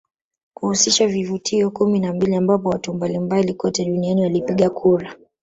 Kuhusisha vivutio kumi na mbili ambapo watu mbalimbali kote duniani walipiga kura